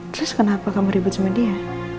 terus kenapa kamu ribut sama dia